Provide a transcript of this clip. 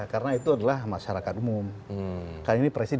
sepertinya ini kan orang lainku saja app aja